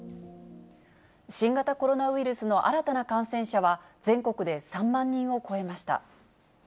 新型コロナウイルスの新たな感染者は、全国で３万人を超えました。